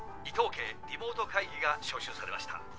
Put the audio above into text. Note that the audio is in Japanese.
伊藤家リモート会議が招集されました。